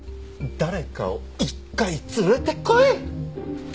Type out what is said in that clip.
「誰か」を１回連れてこい！